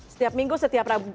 setiap minggu setiap rabu